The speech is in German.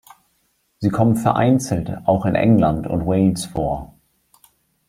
Sie kommen vereinzelt auch in England und Wales vor.